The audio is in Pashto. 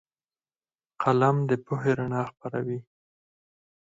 قلم د پوهې رڼا خپروي